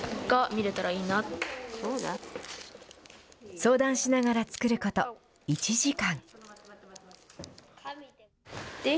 相談しながらつくること１時間。